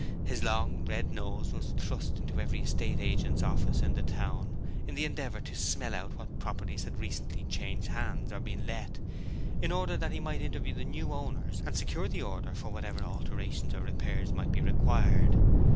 His long red nose was thrust into every estate agent's office in the town in the endeavour to smell out what properties had recently changed hands or been let, in order that he might interview the new owners and secure the order for whatever alterations or repairs might be required.